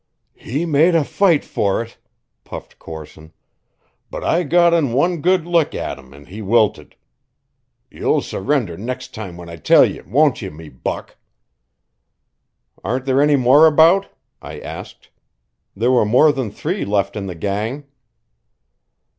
"He made a fight for it," puffed Corson, "but I got in wan good lick at him and he wilted. You'll surrinder next time when I tell ye, won't ye, me buck?" "Aren't there any more about?" I asked. "There were more than three left in the gang."